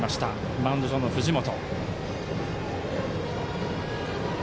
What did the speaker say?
マウンド上の藤本。